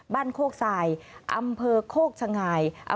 บ้านโคกสายอำเภอโคกชะงาย